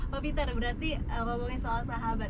pak peter berarti ngomongin soal sahabat